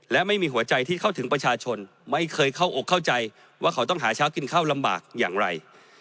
และไม่มีหัวใจที่เข้าถึงประชาชนไม่เคยเข้าอกเข้าใจว่าเขาต้องหาเช้ากินข้าวลำบากอย่างไร